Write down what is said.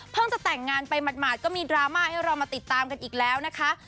จะแต่งงานไปหมาดก็มีดราม่าให้เรามาติดตามกันอีกแล้วนะคะ